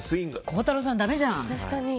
孝太郎さん、だめじゃん。